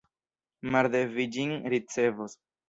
Marde vi ĝin ricevos.